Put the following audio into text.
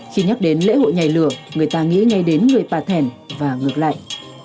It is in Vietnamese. khi nhắc đến lễ hội nhảy lửa người ta nghĩ ngay đến người bà thẻn và ngược lại